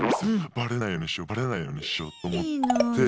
バレないようにしようバレないようにしようと思って。